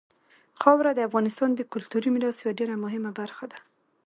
خاوره د افغانستان د کلتوري میراث یوه ډېره مهمه برخه ده.